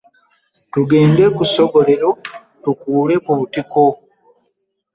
Tugende ku ssogolero tukuule ku butiko.